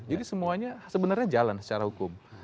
jadi semuanya sebenarnya jalan secara hukum